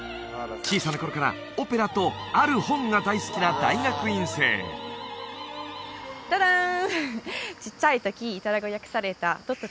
小さな頃からオペラとある本が大好きな大学院生ダダーン！